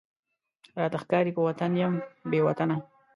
راته ښکاری په وطن یم بې وطنه،